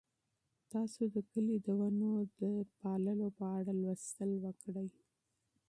تاسو د کیلې د ونو د پاللو په اړه مطالعه وکړئ.